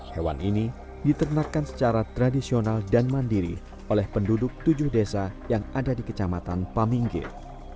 hewan ini diternakan secara tradisional dan mandiri oleh penduduk tujuh desa yang ada di kecamatan paminggir